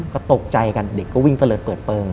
ก็ตกใจกันเด็กก็วิ่งก็เลยเปิดเปิง